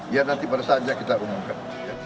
ya nanti pada saatnya kita umumkan